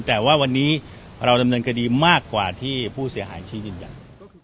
แต่ว่าวันนี้เราดำเนินคดีมากกว่าที่ผู้เสียหายชี้ยืนยัน